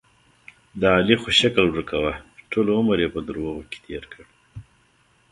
د علي خو شکل ورکوه، ټول عمر یې په دروغو کې تېر کړ.